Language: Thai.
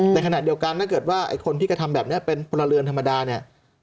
ในขณะเดียวกันถ้าเกิดว่าไอ้คนที่กระทำแบบนี้เป็นพลเรือนธรรมดาเนี่ย